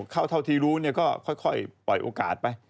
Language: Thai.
เขาเท่าที่รู้เนี่ยก็ค่อยปล่อยโอกาสไป